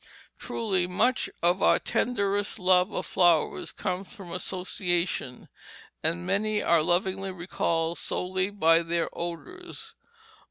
Truly, much of our tenderest love of flowers comes from association, and many are lovingly recalled solely by their odors.